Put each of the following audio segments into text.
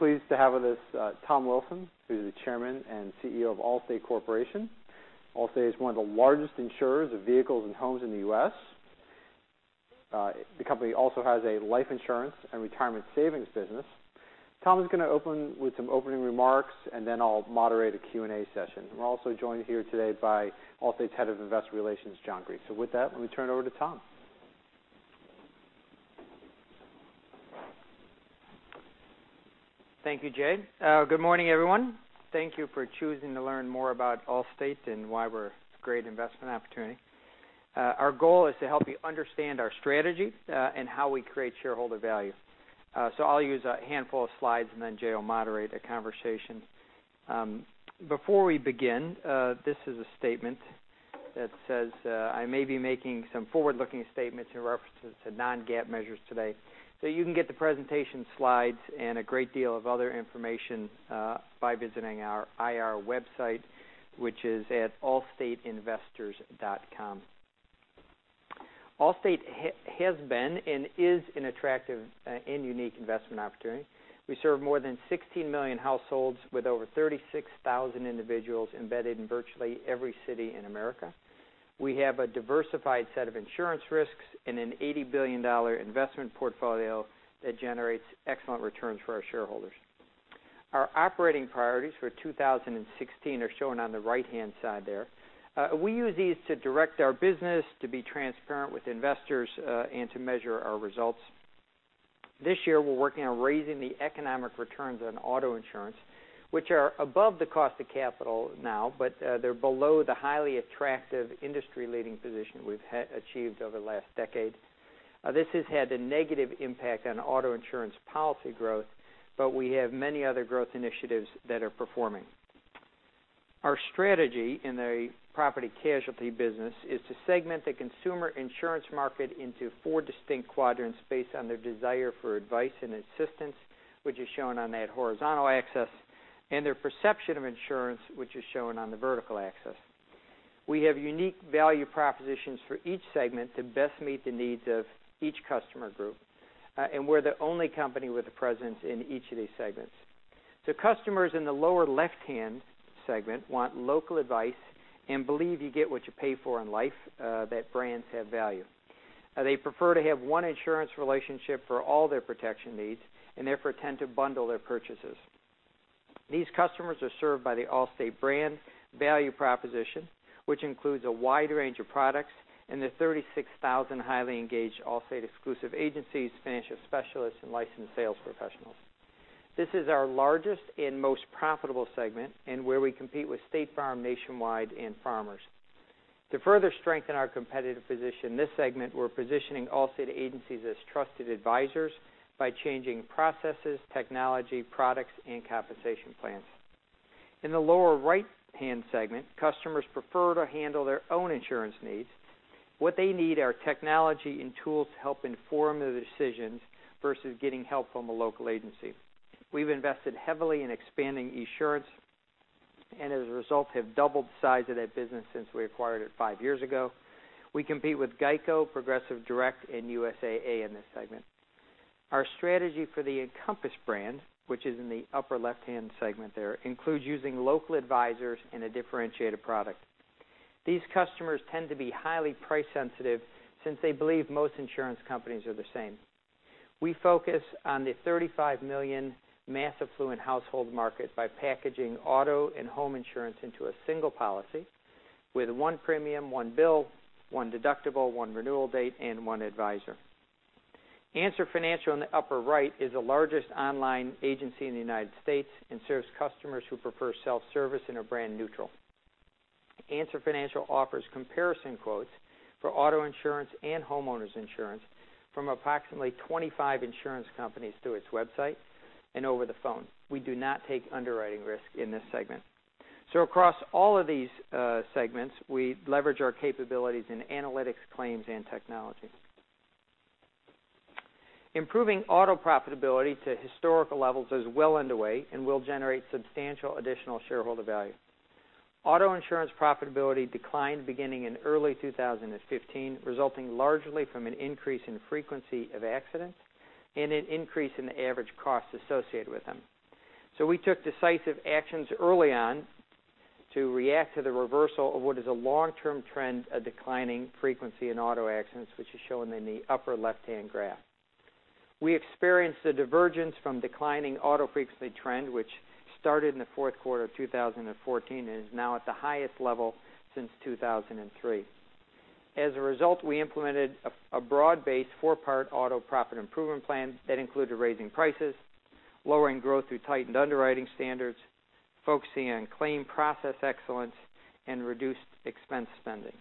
We're pleased to have with us Tom Wilson, who's the Chairman and CEO of Allstate Corporation. Allstate is one of the largest insurers of vehicles and homes in the U.S. The company also has a life insurance and retirement savings business. Tom is going to open with some opening remarks, and then I'll moderate a Q&A session. We're also joined here today by Allstate's Head of Investor Relations, John Grieco. With that, let me turn it over to Tom. Thank you, Jay. Good morning, everyone. Thank you for choosing to learn more about Allstate and why we're a great investment opportunity. Our goal is to help you understand our strategy, and how we create shareholder value. I'll use a handful of slides, and then Jay will moderate the conversation. Before we begin, this is a statement that says I may be making some forward-looking statements in references to non-GAAP measures today. You can get the presentation slides and a great deal of other information by visiting our IR website, which is at allstateinvestors.com. Allstate has been and is an attractive and unique investment opportunity. We serve more than 16 million households with over 36,000 individuals embedded in virtually every city in America. We have a diversified set of insurance risks and an $80 billion investment portfolio that generates excellent returns for our shareholders. Our operating priorities for 2016 are shown on the right-hand side there. We use these to direct our business, to be transparent with investors, and to measure our results. This year, we're working on raising the economic returns on auto insurance, which are above the cost of capital now, but they're below the highly attractive industry-leading position we've achieved over the last decade. This has had a negative impact on auto insurance policy growth, but we have many other growth initiatives that are performing. Our strategy in the property casualty business is to segment the consumer insurance market into four distinct quadrants based on their desire for advice and assistance, which is shown on that horizontal axis, and their perception of insurance, which is shown on the vertical axis. We have unique value propositions for each segment to best meet the needs of each customer group, and we're the only company with a presence in each of these segments. Customers in the lower left-hand segment want local advice and believe you get what you pay for in life, that brands have value. They prefer to have one insurance relationship for all their protection needs, and therefore tend to bundle their purchases. These customers are served by the Allstate brand value proposition, which includes a wide range of products in the 36,000 highly engaged Allstate exclusive agencies, financial specialists, and licensed sales professionals. This is our largest and most profitable segment, and where we compete with State Farm, Nationwide, and Farmers. To further strengthen our competitive position in this segment, we're positioning Allstate agencies as trusted advisors by changing processes, technology, products, and compensation plans. In the lower right-hand segment, customers prefer to handle their own insurance needs. What they need are technology and tools to help inform their decisions versus getting help from a local agency. We've invested heavily in expanding Esurance, and as a result, have doubled the size of that business since we acquired it five years ago. We compete with GEICO, Progressive Direct, and USAA in this segment. Our strategy for the Encompass brand, which is in the upper left-hand segment there, includes using local advisors and a differentiated product. These customers tend to be highly price sensitive since they believe most insurance companies are the same. We focus on the $35 million mass affluent household market by packaging auto and home insurance into a single policy with one premium, one bill, one deductible, one renewal date, and one advisor. Answer Financial in the upper right is the largest online agency in the U.S. and serves customers who prefer self-service and are brand neutral. Answer Financial offers comparison quotes for auto insurance and homeowners insurance from approximately 25 insurance companies through its website and over the phone. We do not take underwriting risk in this segment. Across all of these segments, we leverage our capabilities in analytics, claims, and technology. Improving auto profitability to historical levels is well underway and will generate substantial additional shareholder value. Auto insurance profitability declined beginning in early 2015, resulting largely from an increase in frequency of accidents and an increase in the average cost associated with them. We took decisive actions early on to react to the reversal of what is a long-term trend of declining frequency in auto accidents, which is shown in the upper left-hand graph. We experienced a divergence from declining auto frequency trend, which started in the fourth quarter of 2014 and is now at the highest level since 2003. As a result, we implemented a broad-based four-part auto profit improvement plan that included raising prices, lowering growth through tightened underwriting standards, focusing on claim process excellence, and reduced expense spending.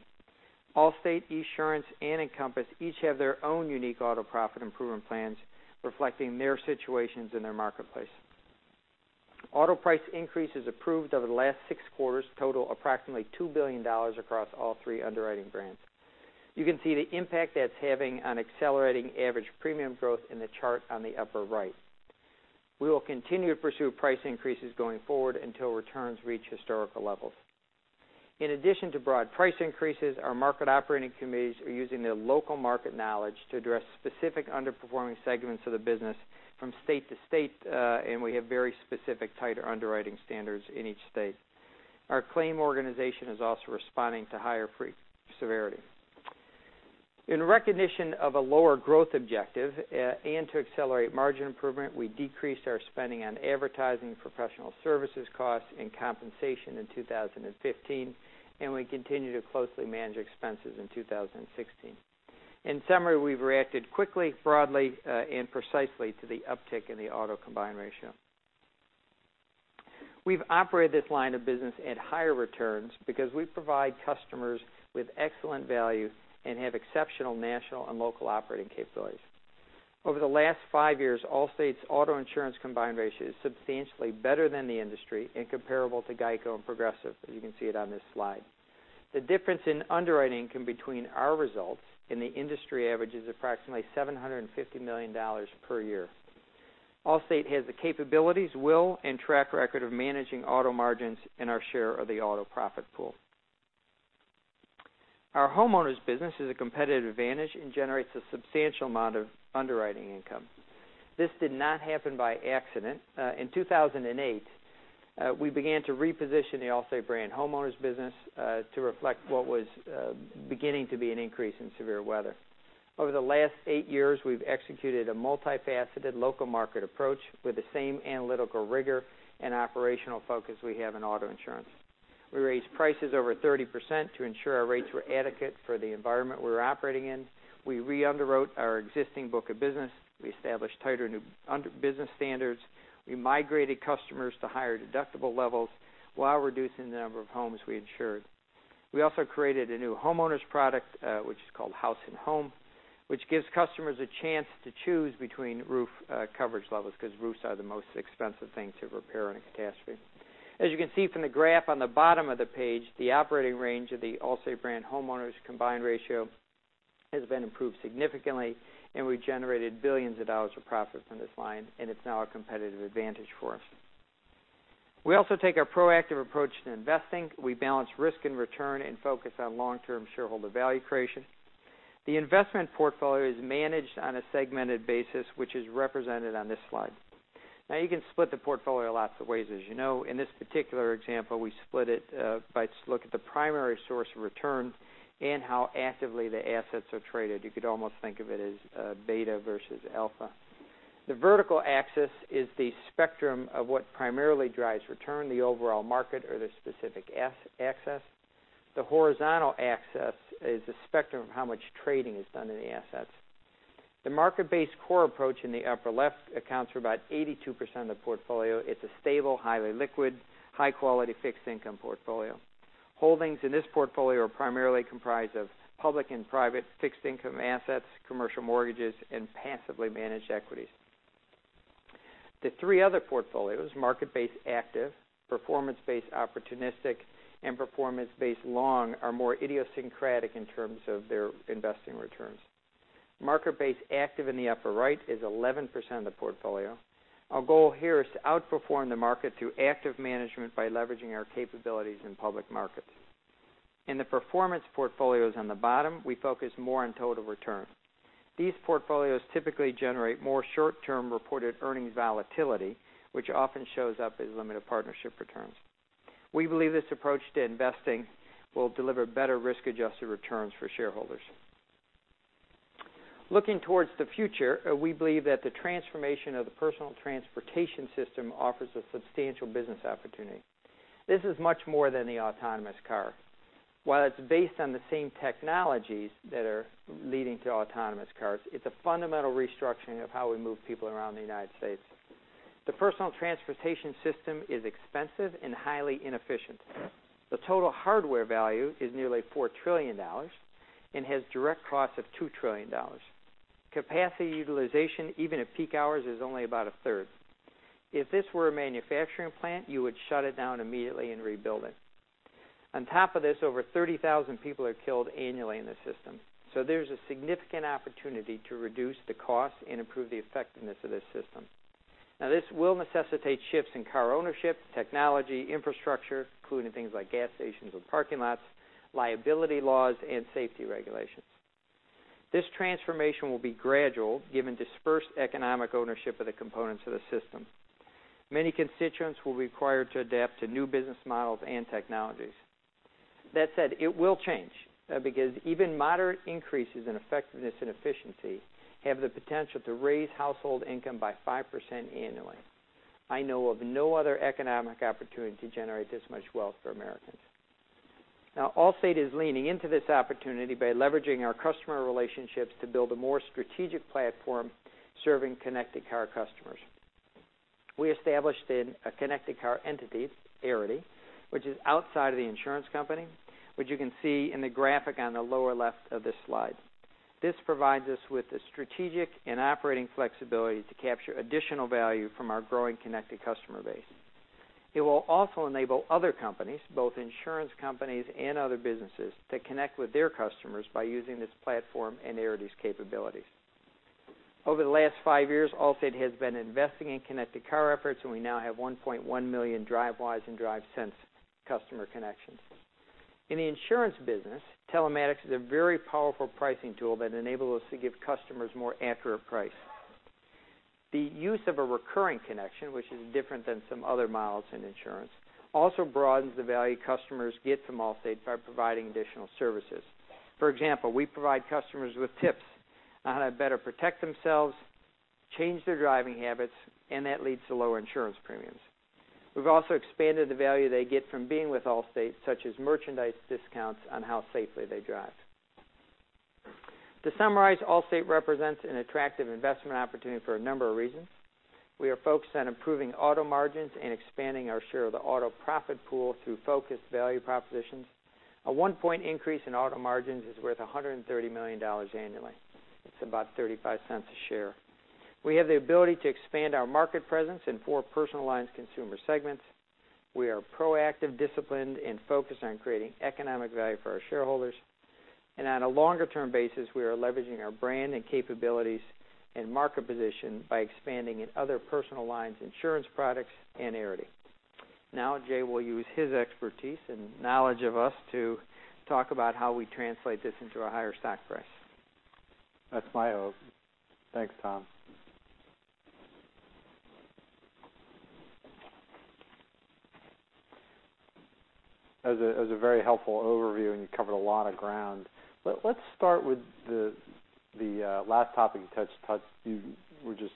Allstate, Esurance, and Encompass each have their own unique auto profit improvement plans reflecting their situations in their marketplace. Auto price increases approved over the last six quarters total approximately $2 billion across all three underwriting brands. You can see the impact that's having on accelerating average premium growth in the chart on the upper right. We will continue to pursue price increases going forward until returns reach historical levels. In addition to broad price increases, our market operating committees are using their local market knowledge to address specific underperforming segments of the business from state to state, and we have very specific tighter underwriting standards in each state. Our claim organization is also responding to higher frequency and severity. In recognition of a lower growth objective and to accelerate margin improvement, we decreased our spending on advertising, professional services costs, and compensation in 2015, and we continue to closely manage expenses in 2016. In summary, we've reacted quickly, broadly, and precisely to the uptick in the auto combined ratio. We've operated this line of business at higher returns because we provide customers with excellent value and have exceptional national and local operating capabilities. Over the last five years, Allstate's auto insurance combined ratio is substantially better than the industry and comparable to GEICO and Progressive, as you can see it on this slide. The difference in underwriting between our results and the industry average is approximately $750 million per year. Allstate has the capabilities, will, and track record of managing auto margins and our share of the auto profit pool. Our homeowners business is a competitive advantage and generates a substantial amount of underwriting income. This did not happen by accident. In 2008, we began to reposition the Allstate brand homeowners business to reflect what was beginning to be an increase in severe weather. Over the last eight years, we've executed a multifaceted local market approach with the same analytical rigor and operational focus we have in auto insurance. We raised prices over 30% to ensure our rates were adequate for the environment we were operating in. We re-underwrote our existing book of business. We established tighter new business standards. We migrated customers to higher deductible levels while reducing the number of homes we insured. We also created a new homeowners product, which is called House and Home, which gives customers a chance to choose between roof coverage levels because roofs are the most expensive thing to repair in a catastrophe. As you can see from the graph on the bottom of the page, the operating range of the Allstate brand homeowners combined ratio has been improved significantly, and we've generated billions of dollars of profits in this line, and it's now a competitive advantage for us. We also take a proactive approach to investing. We balance risk and return and focus on long-term shareholder value creation. The investment portfolio is managed on a segmented basis, which is represented on this slide. Now you can split the portfolio lots of ways, as you know. In this particular example, we split it by looking at the primary source of return and how actively the assets are traded. You could almost think of it as beta versus alpha. The vertical axis is the spectrum of what primarily drives return, the overall market or the specific asset. The horizontal axis is the spectrum of how much trading is done in the assets. The market-based core approach in the upper left accounts for about 82% of the portfolio. It's a stable, highly liquid, high-quality fixed income portfolio. Holdings in this portfolio are primarily comprised of public and private fixed income assets, commercial mortgages, and passively managed equities. The three other portfolios, market-based active, performance-based opportunistic, and performance-based long, are more idiosyncratic in terms of their investing returns. Market-based active in the upper right is 11% of the portfolio. Our goal here is to outperform the market through active management by leveraging our capabilities in public markets. In the performance portfolios on the bottom, we focus more on total return. These portfolios typically generate more short-term reported earnings volatility, which often shows up as limited partnership returns. We believe this approach to investing will deliver better risk-adjusted returns for shareholders. Looking towards the future, we believe that the transformation of the personal transportation system offers a substantial business opportunity. This is much more than the autonomous car. While it's based on the same technologies that are leading to autonomous cars, it's a fundamental restructuring of how we move people around the United States. The personal transportation system is expensive and highly inefficient. The total hardware value is nearly $4 trillion and has direct costs of $2 trillion. Capacity utilization, even at peak hours, is only about a third. If this were a manufacturing plant, you would shut it down immediately and rebuild it. On top of this, over 30,000 people are killed annually in the system. There's a significant opportunity to reduce the cost and improve the effectiveness of this system. This will necessitate shifts in car ownership, technology, infrastructure, including things like gas stations with parking lots, liability laws, and safety regulations. This transformation will be gradual, given dispersed economic ownership of the components of the system. Many constituents will be required to adapt to new business models and technologies. That said, it will change because even moderate increases in effectiveness and efficiency have the potential to raise household income by 5% annually. I know of no other economic opportunity to generate this much wealth for Americans. Allstate is leaning into this opportunity by leveraging our customer relationships to build a more strategic platform serving connected car customers. We established a connected car entity, Arity, which is outside of the insurance company, which you can see in the graphic on the lower left of this slide. This provides us with the strategic and operating flexibility to capture additional value from our growing connected customer base. It will also enable other companies, both insurance companies and other businesses, to connect with their customers by using this platform and Arity's capabilities. Over the last five years, Allstate has been investing in connected car efforts, and we now have 1.1 million Drivewise and DriveSense customer connections. In the insurance business, telematics is a very powerful pricing tool that enables us to give customers more accurate pricing. The use of a recurring connection, which is different than some other models in insurance, also broadens the value customers get from Allstate by providing additional services. For example, we provide customers with tips on how to better protect themselves, change their driving habits, and that leads to lower insurance premiums. We've also expanded the value they get from being with Allstate, such as merchandise discounts on how safely they drive. To summarize, Allstate represents an attractive investment opportunity for a number of reasons. We are focused on improving auto margins and expanding our share of the auto profit pool through focused value propositions. A one-point increase in auto margins is worth $130 million annually. It's about $0.35 a share. We have the ability to expand our market presence in four personal lines consumer segments. We are proactive, disciplined, and focused on creating economic value for our shareholders. On a longer-term basis, we are leveraging our brand and capabilities and market position by expanding in other personal lines insurance products and Arity. Jay will use his expertise and knowledge of us to talk about how we translate this into a higher stock price. That's my hope. Thanks, Tom. That was a very helpful overview, and you covered a lot of ground. Let's start with the last topic you touched. You were just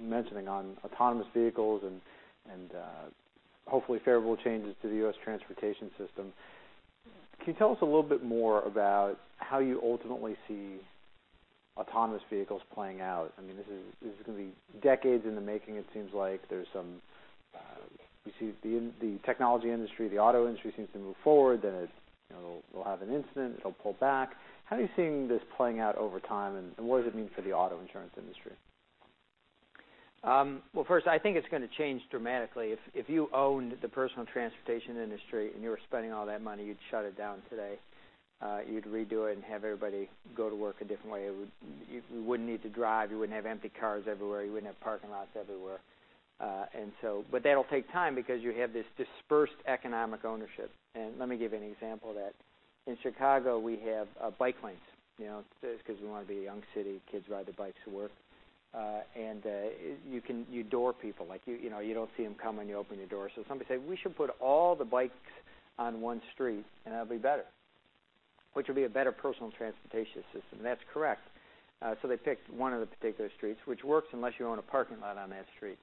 mentioning on autonomous vehicles and hopefully favorable changes to the U.S. transportation system. Can you tell us a little bit more about how you ultimately see autonomous vehicles playing out? I mean, this is going to be decades in the making, it seems like. You see the technology industry, the auto industry seems to move forward, then it'll have an incident, it'll pull back. How are you seeing this playing out over time, and what does it mean for the auto insurance industry? Well, first, I think it's going to change dramatically. If you owned the personal transportation industry, and you were spending all that money, you'd shut it down today. You'd redo it and have everybody go to work a different way. You wouldn't need to drive. You wouldn't have empty cars everywhere. You wouldn't have parking lots everywhere. That'll take time because you have this dispersed economic ownership, and let me give you an example of that. In Chicago, we have bike lanes because we want to be a young city. Kids ride their bikes to work. You door people. You don't see them coming, you open your door. Somebody said, "We should put all the bikes on one street, and that'll be better, which will be a better personal transportation system." That's correct. They picked one of the particular streets, which works unless you own a parking lot on that street.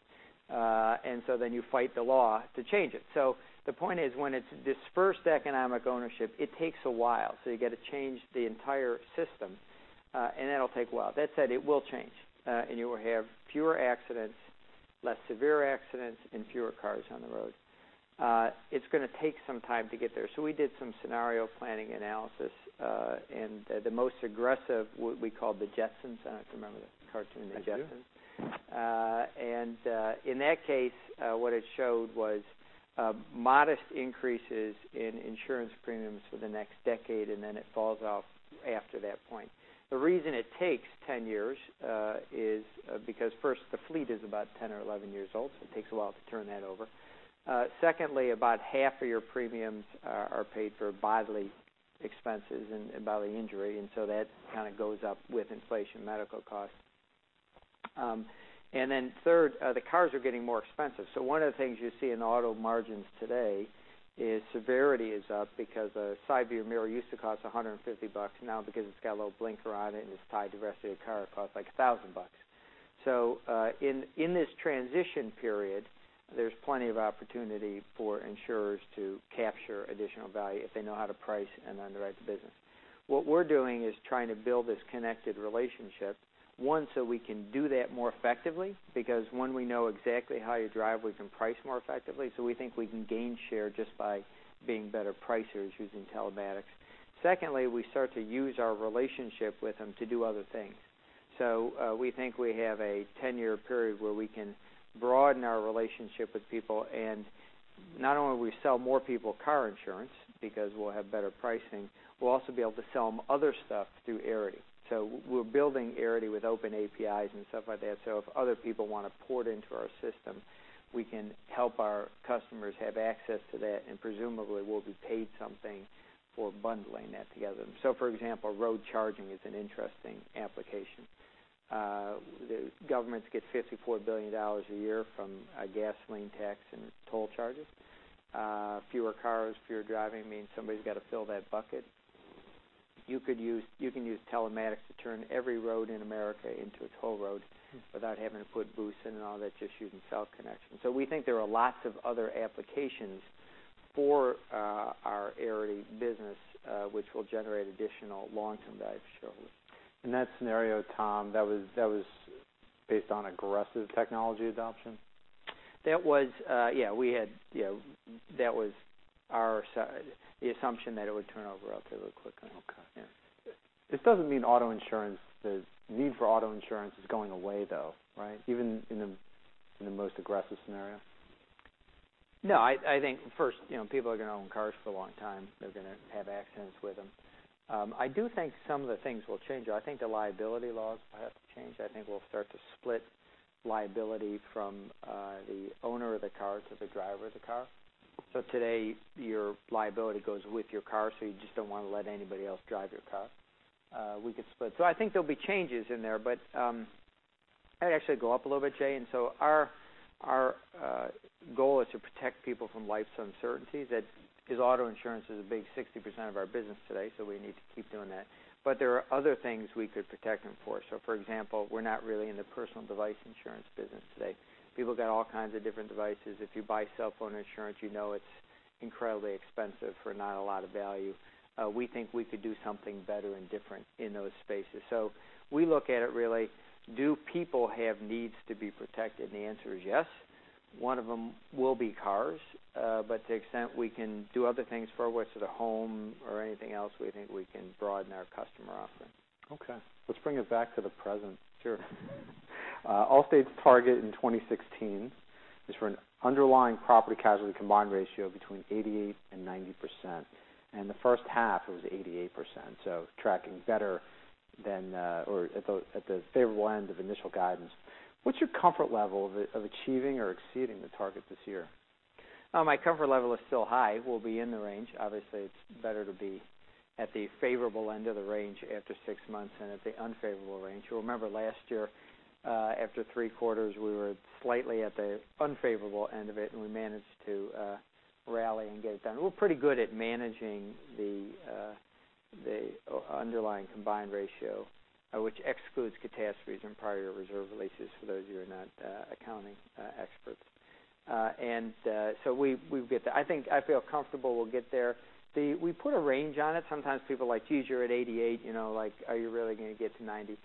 You fight the law to change it. The point is, when it's dispersed economic ownership, it takes a while. You've got to change the entire system, and that'll take a while. That said, it will change. You will have fewer accidents, less severe accidents, and fewer cars on the road. It's going to take some time to get there. We did some scenario planning analysis, and the most aggressive, what we call the Jetsons. I don't know if you remember the cartoon. I do the Jetsons. In that case, what it showed was modest increases in insurance premiums for the next decade, then it falls off after that point. The reason it takes 10 years is because first, the fleet is about 10 or 11 years old, so it takes a while to turn that over. Secondly, about half of your premiums are paid for bodily expenses and bodily injury, so that kind of goes up with inflation medical costs. Third, the cars are getting more expensive. One of the things you see in auto margins today is severity is up because a side view mirror used to cost $150. Now, because it's got a little blinker on it, and it's tied to the rest of the car, it costs like $1,000. In this transition period, there's plenty of opportunity for insurers to capture additional value if they know how to price and underwrite the business. What we're doing is trying to build this connected relationship, one, so we can do that more effectively because when we know exactly how you drive, we can price more effectively. We think we can gain share just by being better pricers using telematics. Secondly, we start to use our relationship with them to do other things. We think we have a 10-year period where we can broaden our relationship with people, and not only will we sell more people car insurance because we'll have better pricing, we'll also be able to sell them other stuff through Arity. We're building Arity with open APIs and stuff like that, so if other people want to port into our system, we can help our customers have access to that, and presumably, we'll be paid something for bundling that together. For example, road charging is an interesting application. Governments get $54 billion a year from gasoline tax and toll charges. Fewer cars, fewer driving means somebody's got to fill that bucket. You can use telematics to turn every road in America into a toll road without having to put booths in and all that, just using cell connections. We think there are lots of other applications for our Arity business, which will generate additional long-term value for shareholders. In that scenario, Tom, that was based on aggressive technology adoption? That was the assumption that it would turn over relatively quickly. Okay. Yeah. This doesn't mean the need for auto insurance is going away, though, right? Even in the most aggressive scenario? No, I think first, people are going to own cars for a long time. They're going to have accidents with them. I do think some of the things will change, though. I think the liability laws will have to change. I think we'll start to split liability from the owner of the car to the driver of the car. Today, your liability goes with your car, so you just don't want to let anybody else drive your car. We could split. I think there'll be changes in there. I'd actually go up a little bit, Jay. Our goal is to protect people from life's uncertainties, because auto insurance is a big 60% of our business today, so we need to keep doing that. There are other things we could protect them for. For example, we're not really in the electronic device insurance business today. People got all kinds of different devices. If you buy cellphone insurance, you know it's incredibly expensive for not a lot of value. We think we could do something better and different in those spaces. We look at it really, do people have needs to be protected? The answer is yes. One of them will be cars. To the extent we can do other things for which is a home or anything else, we think we can broaden our customer offering. Let's bring it back to the present. Sure. Allstate's target in 2016 is for an underlying property casualty combined ratio between 88% and 90%. The first half it was 88%, tracking better than or at the favorable end of initial guidance. What's your comfort level of achieving or exceeding the target this year? My comfort level is still high. We'll be in the range. Obviously, it's better to be at the favorable end of the range after six months than at the unfavorable range. You'll remember last year, after three quarters, we were slightly at the unfavorable end of it, and we managed to rally and get it done. We're pretty good at managing the underlying combined ratio, which excludes catastrophes and prior reserve releases for those who are not accounting experts. I feel comfortable we'll get there. We put a range on it. Sometimes people are like, "Geez, you're at 88, are you really going to get to 90?"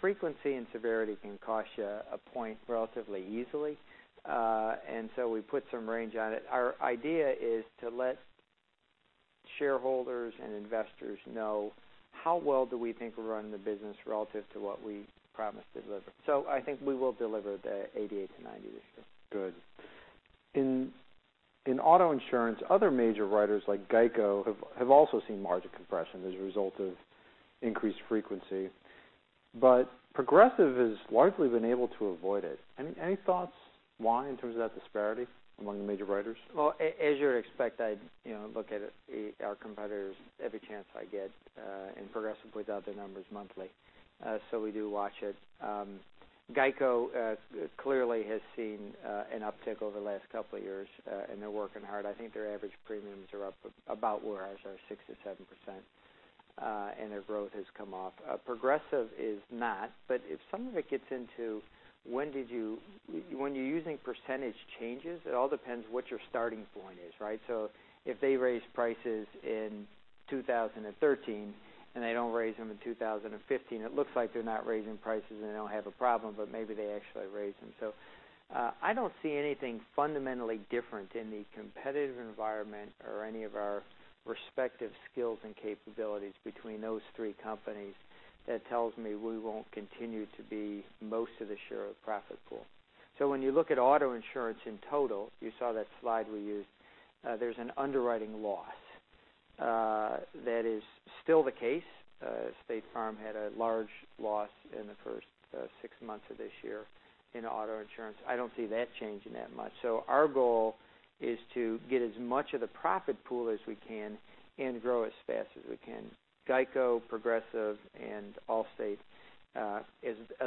Frequency and severity can cost you one point relatively easily. We put some range on it. Our idea is to let shareholders and investors know how well do we think we're running the business relative to what we promised to deliver. I think we will deliver the 88%-90% this year. Good. In auto insurance, other major writers like GEICO have also seen margin compression as a result of increased frequency, Progressive has largely been able to avoid it. Any thoughts why, in terms of that disparity among the major writers? Well, as you would expect, I look at our competitors every chance I get, Progressive puts out their numbers monthly. We do watch it. GEICO clearly has seen an uptick over the last couple of years, and they're working hard. I think their average premiums are up about where ours are, 6%-7%, Their growth has come off. Progressive is not, if some of it gets into when you're using percentage changes, it all depends what your starting point is, right? If they raise prices in 2013, They don't raise them in 2015, it looks like they're not raising prices and they don't have a problem, maybe they actually raised them. I don't see anything fundamentally different in the competitive environment or any of our respective skills and capabilities between those three companies that tells me we won't continue to be most of the share of profit pool. When you look at auto insurance in total, you saw that slide we used, there's an underwriting loss. That is still the case. State Farm had a large loss in the first six months of this year in auto insurance. I don't see that changing that much. Our goal is to get as much of the profit pool as we can and grow as fast as we can. GEICO, Progressive, and Allstate are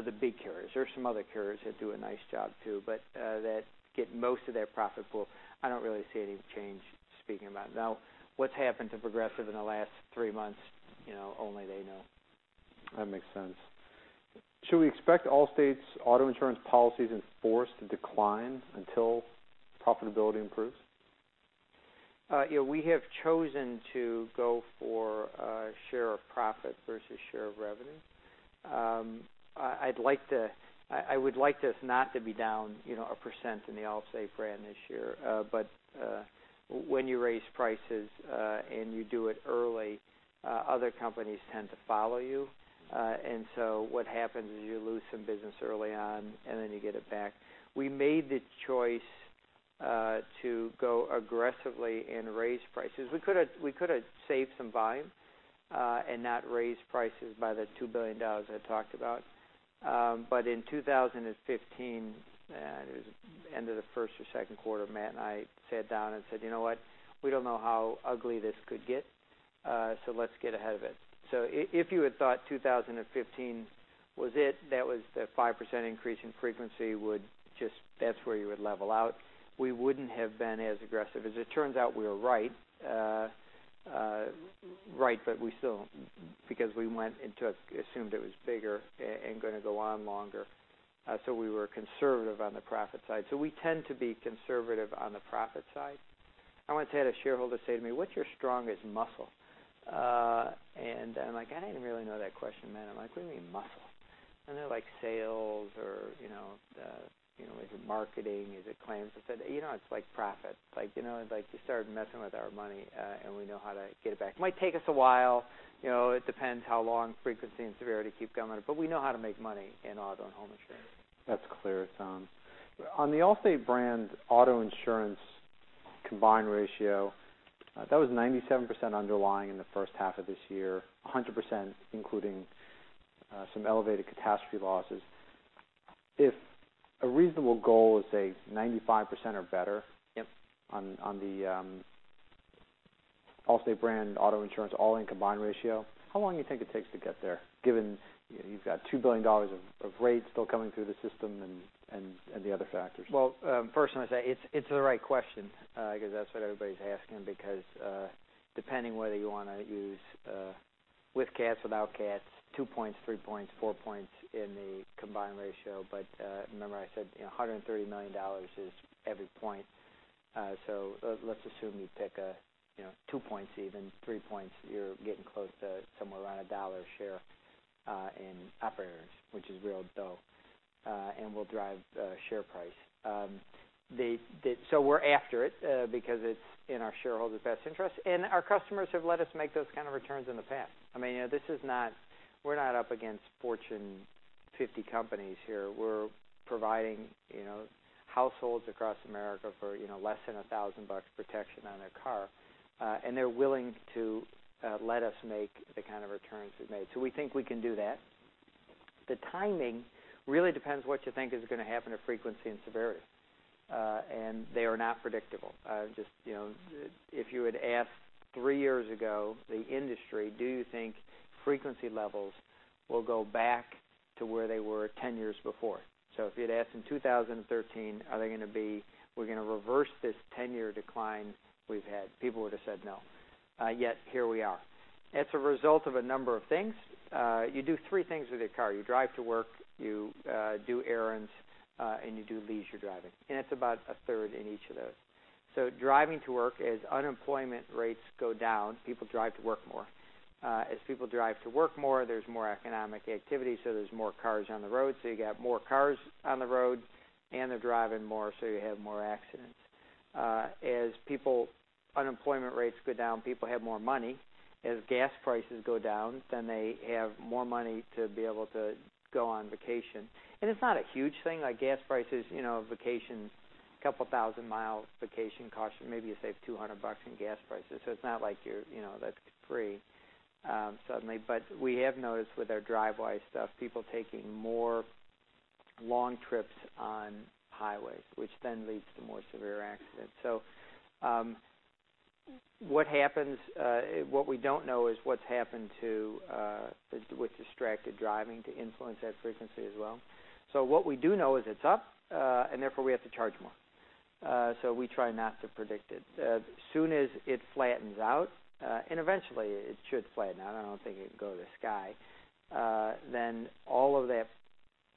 the big carriers. There are some other carriers that do a nice job, too, That get most of their profit pool. I don't really see any change speaking about it. What's happened to Progressive in the last three months, only they know. That makes sense. Should we expect Allstate's auto insurance policies in force to decline until profitability improves? We have chosen to go for a share of profit versus share of revenue. I would like this not to be down 1% in the Allstate brand this year. When you raise prices, and you do it early, other companies tend to follow you. What happens is you lose some business early on, and then you get it back. We made the choice to go aggressively and raise prices. We could have saved some buy-in and not raised prices by the $2 billion I talked about. In 2015, it was end of the first or second quarter, Matt and I sat down and said, "You know what? We don't know how ugly this could get, so let's get ahead of it." If you had thought 2015 was it, that was the 5% increase in frequency that's where you would level out, we wouldn't have been as aggressive. As it turns out, we were right. Because we went into it, assumed it was bigger, and going to go on longer, we were conservative on the profit side. We tend to be conservative on the profit side. I once had a shareholder say to me, "What's your strongest muscle?" I'm like, "I didn't really know that question meant." I'm like, "What do you mean muscle?" They're like, "Sales or is it marketing? Is it claims?" I said, "It's profit. You started messing with our money, and we know how to get it back." Might take us a while. It depends how long frequency and severity keep going, but we know how to make money in auto and home insurance. That's clear, Tom. On the Allstate brand auto insurance combined ratio. That was 97% underlying in the first half of this year, 100%, including some elevated catastrophe losses. If a reasonable goal is, say, 95% or better. Yep on the Allstate brand auto insurance all-in combined ratio, how long you think it takes to get there, given you've got $2 billion of rates still coming through the system and the other factors? Well, first I'm going to say, it's the right question, because that's what everybody's asking because depending whether you want to use with cats, without cats, two points, three points, four points in the combined ratio. Remember I said $130 million is every point. Let's assume you pick two points even, three points, you're getting close to somewhere around $1 a share in operating earnings, which is real dough, and will drive share price. We're after it because it's in our shareholders' best interest. Our customers have let us make those kind of returns in the past. We're not up against Fortune 50 companies here. We're providing households across America for less than $1,000 protection on their car. They're willing to let us make the kind of returns we've made. We think we can do that. The timing really depends what you think is going to happen to frequency and severity. They are not predictable. If you had asked three years ago, the industry, "Do you think frequency levels will go back to where they were 10 years before?" If you'd asked in 2013, "Are they going to be, we're going to reverse this 10-year decline we've had?" People would have said no. Yet here we are. It's a result of a number of things. You do three things with your car. You drive to work, you do errands, and you do leisure driving. It's about a third in each of those. Driving to work, as unemployment rates go down, people drive to work more. As people drive to work more, there's more economic activity, so there's more cars on the road. You got more cars on the road, they're driving more, so you have more accidents. As unemployment rates go down, people have more money. As gas prices go down, they have more money to be able to go on vacation. It's not a huge thing, like gas prices, vacations, couple thousand miles vacation costs you, maybe you save $200 in gas prices. It's not like that's free suddenly. We have noticed with our Drivewise stuff, people taking more long trips on highways, which then leads to more severe accidents. What we don't know is what's happened with distracted driving to influence that frequency as well. What we do know is it's up, and therefore we have to charge more. We try not to predict it. As soon as it flattens out, eventually it should flatten out, I don't think it can go to the sky. All of that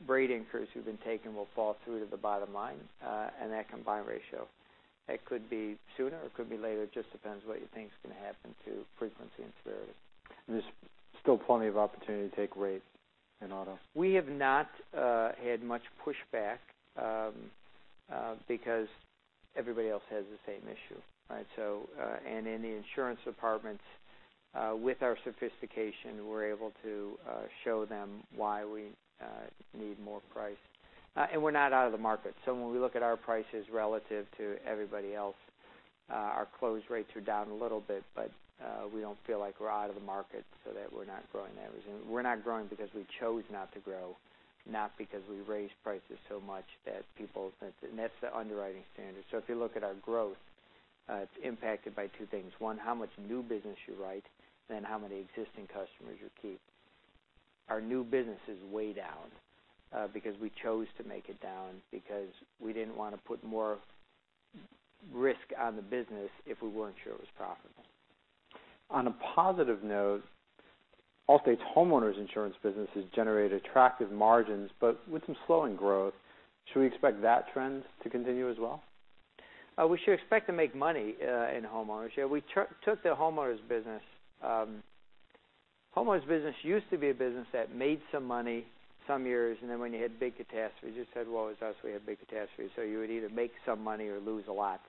rate increase we've been taking will fall through to the bottom line, and that combined ratio. It could be sooner or it could be later, it just depends what you think is going to happen to frequency and severity. There's still plenty of opportunity to take rate in auto. We have not had much pushback because everybody else has the same issue, right? In the insurance departments with our sophistication, we're able to show them why we need more price. We're not out of the market. When we look at our prices relative to everybody else, our close rates are down a little bit, but we don't feel like we're out of the market so that we're not growing that. We're not growing because we chose not to grow, not because we raised prices so much that and that's the underwriting standard. If you look at our growth, it's impacted by two things. One, how much new business you write, then how many existing customers you keep. Our new business is way down because we chose to make it down because we didn't want to put more risk on the business if we weren't sure it was profitable. On a positive note, Allstate's homeowners insurance business has generated attractive margins, but with some slowing growth. Should we expect that trend to continue as well? We should expect to make money in homeowners. Yeah, we took the homeowners business. Homeowners business used to be a business that made some money some years, then when you had big catastrophes, you said, "Well, it was us, we had big catastrophes." You would either make some money or lose a lot,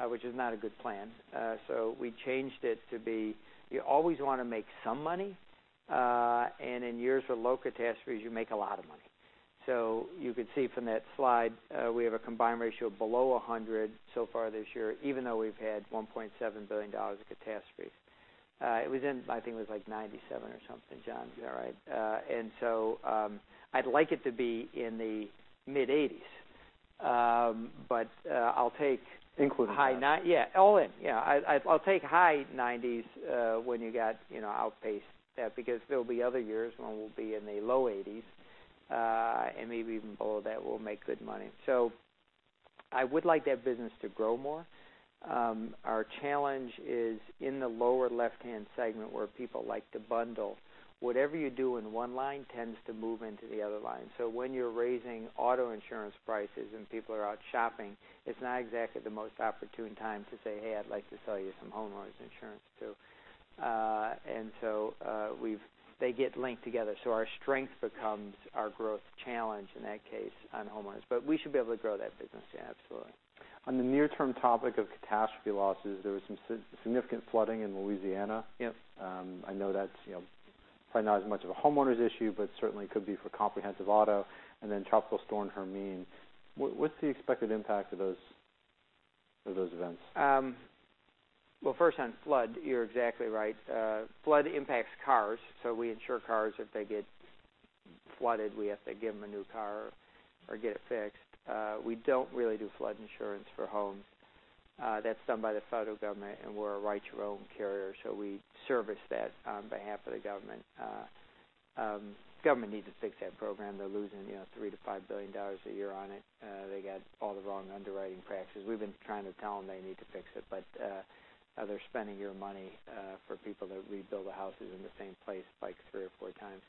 which is not a good plan. We changed it to be, you always want to make some money. In years with low catastrophes, you make a lot of money. You could see from that slide, we have a combined ratio of below 100 so far this year, even though we've had $1.7 billion of catastrophes. It was in, I think it was like 97 or something, John. Is that right? I'd like it to be in the mid-80s. But I'll take- Including that. High nine. Yeah. All in, yeah. I'll take high 90s when you got outpaced that because there'll be other years when we'll be in the low 80s, and maybe even below that we'll make good money. I would like that business to grow more. Our challenge is in the lower left-hand segment where people like to bundle. Whatever you do in one line tends to move into the other line. When you're raising auto insurance prices and people are out shopping, it's not exactly the most opportune time to say, "Hey, I'd like to sell you some homeowners insurance, too." They get linked together. Our strength becomes our growth challenge in that case on homeowners. We should be able to grow that business. Yeah, absolutely. On the near term topic of catastrophe losses, there was some significant flooding in Louisiana. Yep. I know that's probably not as much of a homeowners issue, but certainly could be for comprehensive auto and then Tropical Storm Hermine. What's the expected impact of those events? Well, first on flood, you're exactly right. Flood impacts cars, we insure cars. If they get flooded, we have to give them a new car or get it fixed. We don't really do flood insurance for homes. That's done by the federal government, we're a write-your-own carrier, we service that on behalf of the government. Government needs to fix that program. They're losing $3 billion to $5 billion a year on it. They got all the wrong underwriting practices. We've been trying to tell them they need to fix it, they're spending your money for people to rebuild their houses in the same place like three or four times.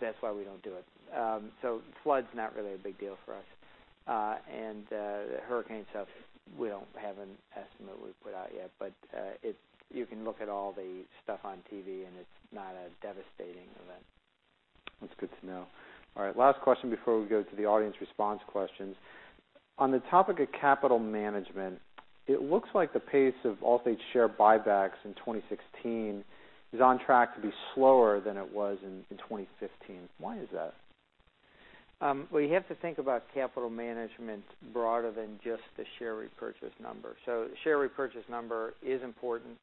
That's why we don't do it. Flood's not really a big deal for us. The hurricane stuff, we don't have an estimate we've put out yet, but you can look at all the stuff on TV and it's not a devastating event. That's good to know. All right, last question before we go to the audience response questions. On the topic of capital management, it looks like the pace of Allstate's share buybacks in 2016 is on track to be slower than it was in 2015. Why is that? Well, you have to think about capital management broader than just the share repurchase number. The share repurchase number is important.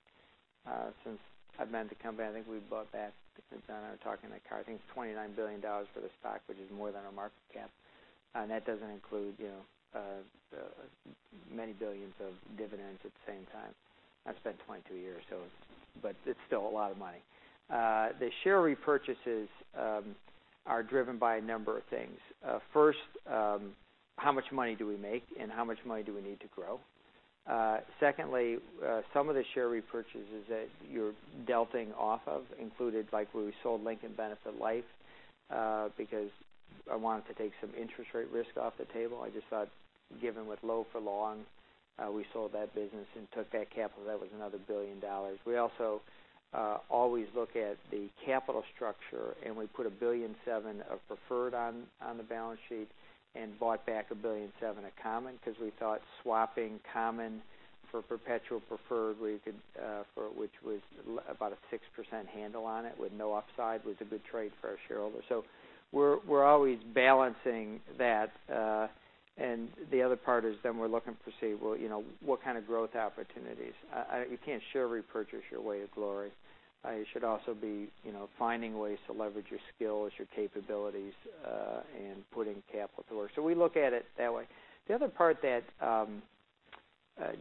Since I've been at the company, I think we've bought back, since I know we're talking to Carrie, I think it's $29 billion worth of stock, which is more than our market cap. That doesn't include many billions of dividends at the same time. I've spent 22 years, but it's still a lot of money. The share repurchases are driven by a number of things. First, how much money do we make, and how much money do we need to grow? Secondly, some of the share repurchases that you're delving off of included like when we sold Lincoln Benefit Life because I wanted to take some interest rate risk off the table. I just thought, given with low for long, we sold that business and took that capital. That was another $1 billion. We also always look at the capital structure, we put a $1.7 billion of preferred on the balance sheet and bought back a $1.7 billion of common because we thought swapping common for perpetual preferred, which was about a 6% handle on it with no upside, was a good trade for our shareholders. We're always balancing that. The other part is we're looking to see, well, what kind of growth opportunities. You can't share repurchase your way to glory. You should also be finding ways to leverage your skills, your capabilities, and putting capital to work. We look at it that way. The other part that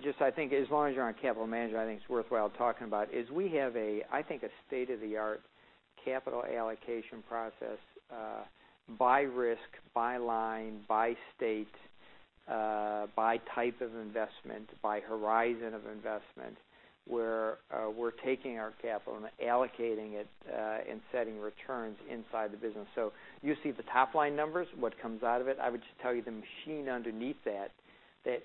just I think as long as you're on capital management, I think it's worthwhile talking about is we have, I think, a state-of-the-art capital allocation process by risk, by line, by state, by type of investment, by horizon of investment, where we're taking our capital and allocating it and setting returns inside the business. You see the top-line numbers, what comes out of it. I would just tell you the machine underneath that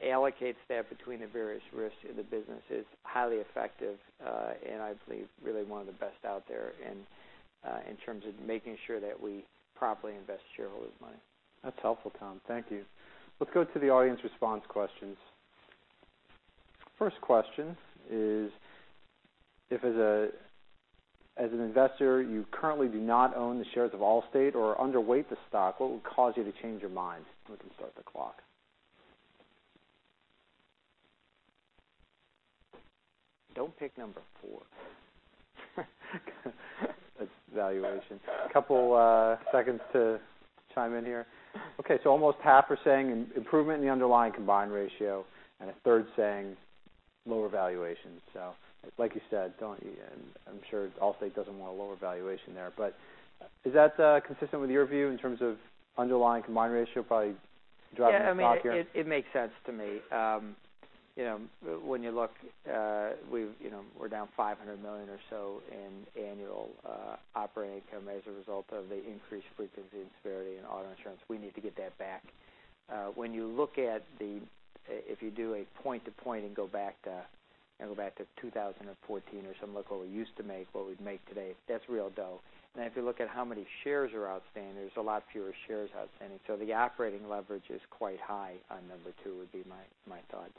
allocates that between the various risks in the business is highly effective, and I believe really one of the best out there in terms of making sure that we properly invest shareholders' money. That's helpful, Tom. Thank you. Let's go to the audience response questions. First question is, if as an investor you currently do not own the shares of Allstate or underweight the stock, what would cause you to change your mind? We can start the clock. Don't pick number 4. That's valuation. Couple seconds to chime in here. Almost half are saying improvement in the underlying combined ratio and a third saying lower valuation. Like you said, I'm sure Allstate doesn't want a lower valuation there. Is that consistent with your view in terms of underlying combined ratio probably driving it off here? Yeah, it makes sense to me. When you look, we're down $500 million or so in annual operating income as a result of the increased frequency and severity in auto insurance. We need to get that back. If you do a point-to-point and go back to 2014 or something, look what we used to make, what we'd make today, that's real dough. If you look at how many shares are outstanding, there's a lot fewer shares outstanding. The operating leverage is quite high on number two would be my thought.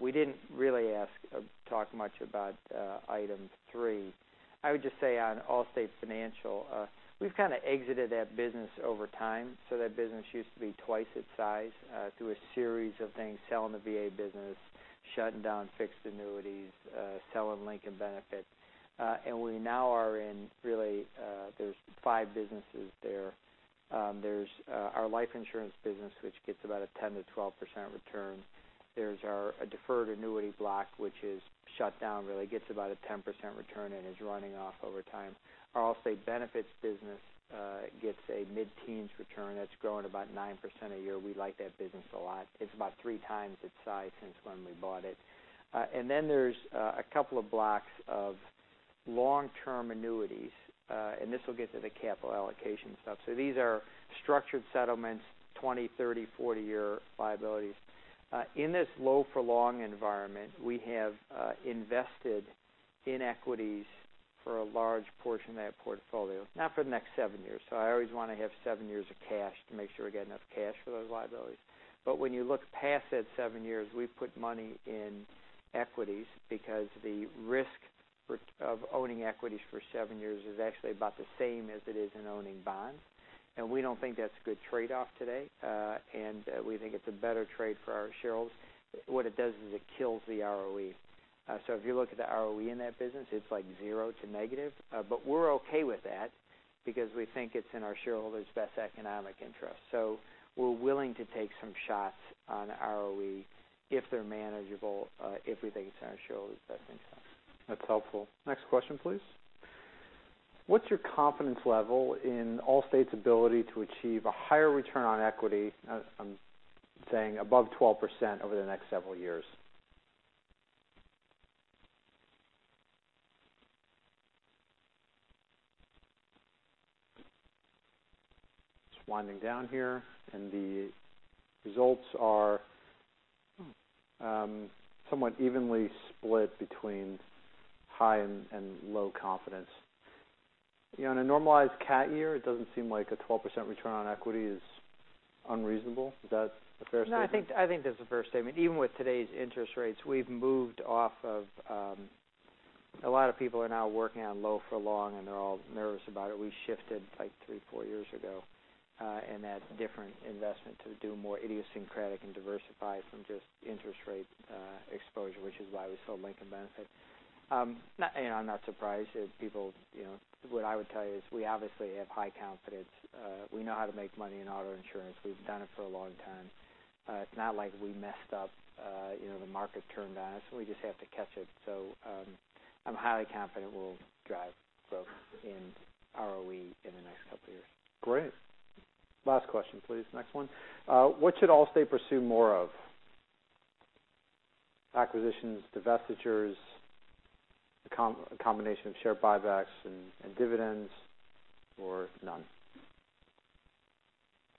We didn't really talk much about item three. I would just say on Allstate Financial, we've kind of exited that business over time. That business used to be twice its size through a series of things, selling the VA business, shutting down fixed annuities, selling Lincoln Benefits. We now are in really there's five businesses there. There's our life insurance business, which gets about a 10%-12% return. There's our deferred annuity block, which is shut down, really gets about a 10% return and is running off over time. Our Allstate Benefits business gets a mid-teens return that's growing about 9% a year. We like that business a lot. It's about three times its size since when we bought it. Then there's a couple of blocks of long-term annuities. This will get to the capital allocation stuff. These are structured settlements, 20, 30, 40-year liabilities. In this low for long environment, we have invested in equities for a large portion of that portfolio, not for the next seven years. I always want to have seven years of cash to make sure we get enough cash for those liabilities. When you look past that seven years, we've put money in equities because the risk of owning equities for seven years is actually about the same as it is in owning bonds. We don't think that's a good trade-off today. We think it's a better trade for our shareholders. What it does is it kills the ROE. If you look at the ROE in that business, it's zero to negative. We're okay with that because we think it's in our shareholders' best economic interest. We're willing to take some shots on ROE if they're manageable, if we think it's in our shareholders' best interests. That's helpful. Next question please. What's your confidence level in Allstate's ability to achieve a higher return on equity, I'm saying above 12%, over the next several years? It's winding down here, and the results are somewhat evenly split between high and low confidence. In a normalized cat year, it doesn't seem like a 12% return on equity is unreasonable. Is that a fair statement? No, I think that's a fair statement. Even with today's interest rates, we've moved off of a lot of people are now working on low for long, and they're all nervous about it. We shifted three, four years ago in that different investment to do more idiosyncratic and diversified from just interest rate exposure, which is why we sold Lincoln Benefit. I'm not surprised at people. What I would tell you is we obviously have high confidence. We know how to make money in auto insurance. We've done it for a long time. It's not like we messed up, the market turned on us. We just have to catch it. I'm highly confident we'll drive growth in ROE in the next couple of years. Great. Last question, please. Next one. What should Allstate pursue more of? Acquisitions, divestitures, a combination of share buybacks and dividends, or none?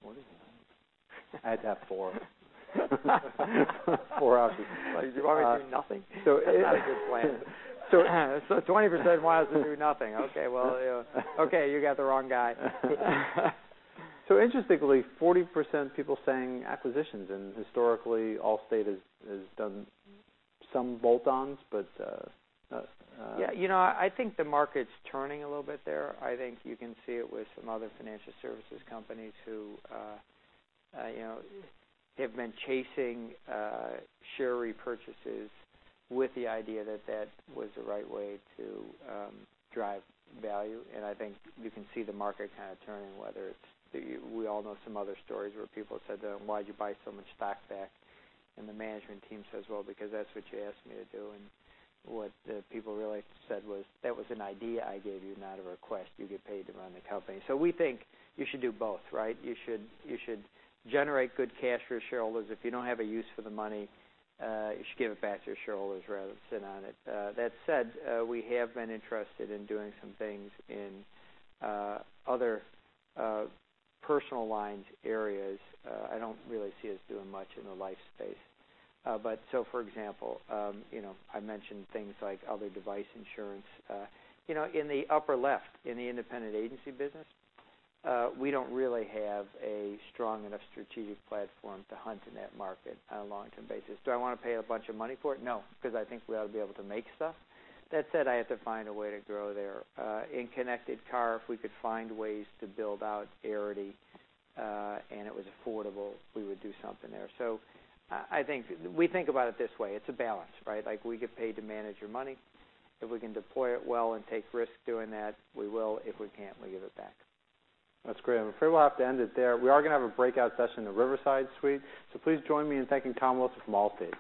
What is none? I'd have four. Four out of- You want me to do nothing? That's not a good plan. 20% wants us to do nothing. Okay, okay, you got the wrong guy. Interestingly, 40% of people saying acquisitions, and historically, Allstate has done some bolt-ons. Yeah, I think the market's turning a little bit there. I think you can see it with some other financial services companies who have been chasing share repurchases with the idea that that was the right way to drive value. I think you can see the market kind of turning, whether we all know some other stories where people have said to them, "Why'd you buy so much stock back?" The management team says, "Well, because that's what you asked me to do." What the people really said was, "That was an idea I gave you, not a request. You get paid to run the company." We think you should do both, right? You should generate good cash for your shareholders. If you don't have a use for the money, you should give it back to your shareholders rather than sit on it. That said, we have been interested in doing some things in other personal lines areas. I don't really see us doing much in the life space. For example, I mentioned things like electronic device insurance. In the upper left, in the independent agency business, we don't really have a strong enough strategic platform to hunt in that market on a long-term basis. Do I want to pay a bunch of money for it? No, because I think we ought to be able to make stuff. That said, I have to find a way to grow there. In connected car, if we could find ways to build out Arity, and it was affordable, we would do something there. We think about it this way. It's a balance, right? We get paid to manage your money. If we can deploy it well and take risks doing that, we will. If we can't, we give it back. That's great. I'm afraid we'll have to end it there. We are going to have a breakout session in the Riverside Suite. Please join me in thanking Tom Wilson from Allstate.